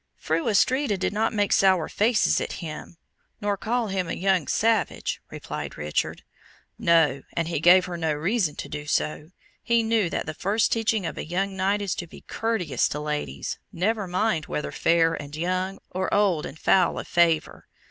"Fru Astrida did not make sour faces at him, nor call him a young savage," replied Richard. "No, and he gave her no reason to do so; he knew that the first teaching of a young Knight is to be courteous to ladies never mind whether fair and young, or old and foul of favour.